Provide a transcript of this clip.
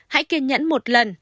hãy kiên nhẫn một lần